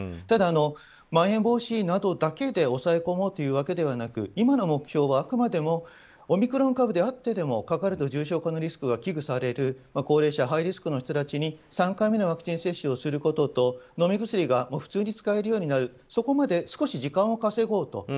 ただまん延防止だけで抑え込もうというわけではなく今の目標は、あくまでもオミクロン株であってもかかると重症化のリスクが危惧される高齢者、ハイリスクの人たちに３回目のワクチン接種をすることと飲み薬が普通に使えるようになるそこまで少し時間を稼ごうと。